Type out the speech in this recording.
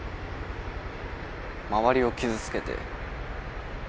周りを傷つけて。